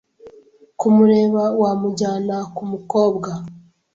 Kumureba, wamujyana kumukobwa.